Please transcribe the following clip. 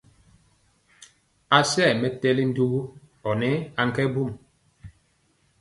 A sayɛ mɛtɛli ndugu ɔ nɛ ankɛ mbum.